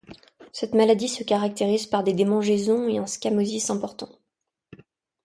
Cette maladie se caractérise par des démangeaisons et un squamosis important.